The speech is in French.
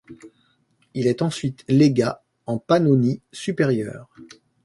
Il est ensuite légat en Pannonie supérieure.